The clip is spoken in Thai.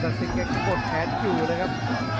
ศักดิ์ศิษฐ์กันกดแค้นอยู่เลยครับ